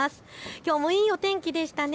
きょうもいいお天気でしたね。